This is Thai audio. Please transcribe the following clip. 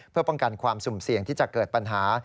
เพื่อป้องกันความสุ่มเสี่ยงที่จะเกิดปัญหา